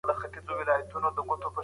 که ته په آنلاین ازموینه کې ګډون کوې.